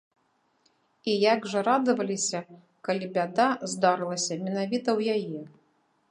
І як жа радаваліся, калі бяда здарылася менавіта ў яе.